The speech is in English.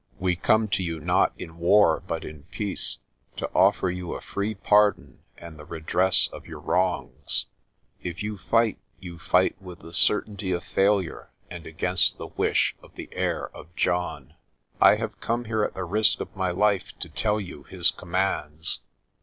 We come to you not in war but in peace, to offer you a free pardon and the redress of your wrongs. If you fight you fight with the certainty of failure and against the wish of the heir of John. I have come here at the risk of my life to tell you his commands.